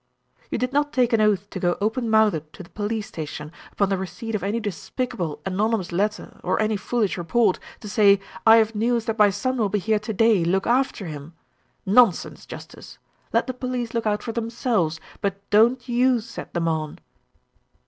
"You did not take an oath to go open mouthed to the police station, upon the receipt of any despicable anonymous letter or any foolish report, to say, 'I have news that my son will be here to day; look after him.' Nonsense, justice! Let the police look out for themselves, but don't you set them on."